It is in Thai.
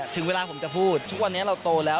ถึงเวลาผมจะพูดทุกวันนี้เราโตแล้ว